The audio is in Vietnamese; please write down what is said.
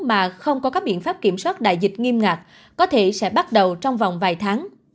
mà không có các biện pháp kiểm soát đại dịch nghiêm ngặt có thể sẽ bắt đầu trong vòng vài tháng